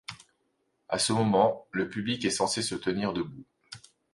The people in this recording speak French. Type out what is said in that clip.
À ce moment, le public est censé se tenir debout.